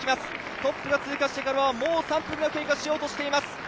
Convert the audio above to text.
トップが通過してもう３分が経過しようとしています。